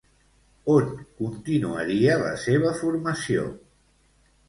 On continuaria la seva formació?